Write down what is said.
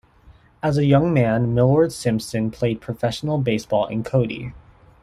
As a young man, Milward Simpson played professional baseball in Cody.